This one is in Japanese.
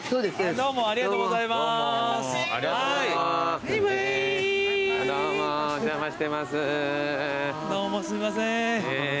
どうもすいません。